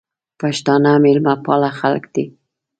پښتانه مېلمه پاله خلګ دي.